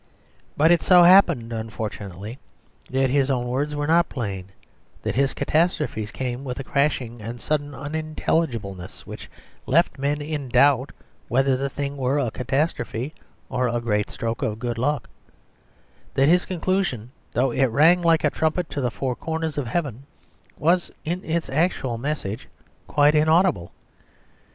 But it so happened, unfortunately, that his own words were not plain; that his catastrophes came with a crashing and sudden unintelligibleness which left men in doubt whether the thing were a catastrophe or a great stroke of good luck; that his conclusion, though it rang like a trumpet to the four corners of heaven, was in its actual message quite inaudible.